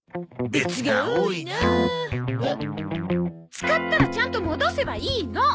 使ったらちゃんと戻せばいいの！